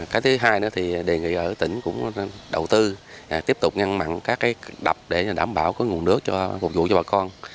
cái thứ hai đề nghị ở tỉnh cũng đầu tư tiếp tục ngăn mặn các đập để đảm bảo nguồn nước phục vụ cho bà con